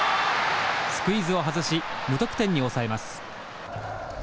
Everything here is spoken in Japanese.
スクイズを外し無得点に抑えます。